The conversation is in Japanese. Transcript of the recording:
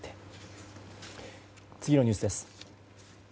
次のニュースです。